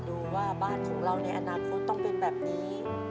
ดูว่าบ้านของเราในอนาคตต้องเป็นแบบนี้